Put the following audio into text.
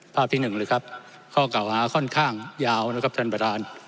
ที่หนึ่งเลยครับข้อเก่าหาค่อนข้างยาวนะครับท่านประธาน